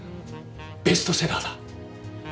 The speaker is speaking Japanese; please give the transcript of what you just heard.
ベストセラーだ！